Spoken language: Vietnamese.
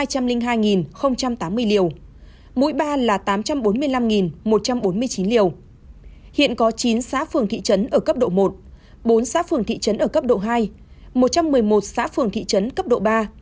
hiện có chín xã phường thị trấn ở cấp độ một bốn xã phường thị trấn ở cấp độ hai một trăm một mươi một xã phường thị trấn cấp độ ba